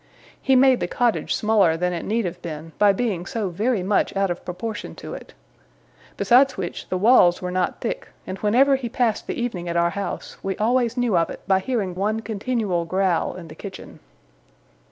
He made the cottage smaller than it need have been, by being so very much out of proportion to it. Besides which, the walls were not thick, and, whenever he passed the evening at our house, we always knew of it by hearing one continual growl in the kitchen.